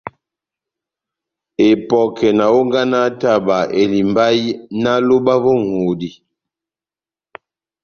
Epɔkɛ na hónganaha taba elimbahi náh lóba vó ŋʼhodi.